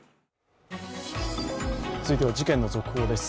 続いては、事件の続報です。